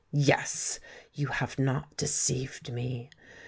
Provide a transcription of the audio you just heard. "Yes—you have not deceived me!